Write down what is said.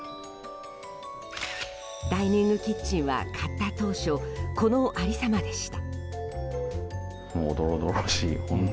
ダイニングキッチンは買った当初このありさまでした。